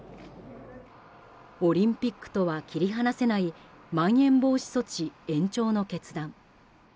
オリンピックとは切り離せないまん延防止措置延長の決断。